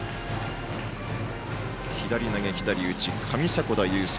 左投げ左打ち、上迫田優介。